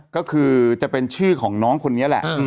ก็คือจะเป็นชื่อของน้องคนนี้แหละ